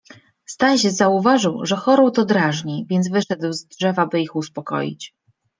Staś zauważył, że chorą to drażni, więc wyszedł z drzewa, by ich uspokoić.